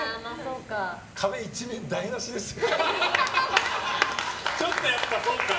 壁一面、台無しですよ。